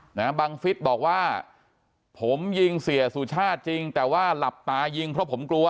บังฟิศบอกว่าผมยิงเสียสุชาติจริงแต่ว่าหลับตายิงเพราะผมกลัว